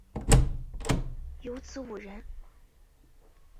有子五人